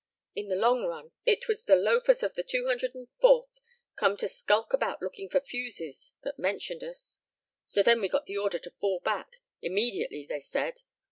In the long run, it was the loafers of the 204th, come to skulk about looking for fuses, that mentioned us. So then we got the order to fall back immediately, they said.